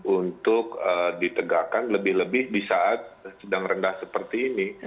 untuk ditegakkan lebih lebih di saat sedang rendah seperti ini